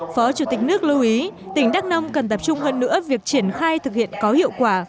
phó chủ tịch nước lưu ý tỉnh đắk nông cần tập trung hơn nữa việc triển khai thực hiện có hiệu quả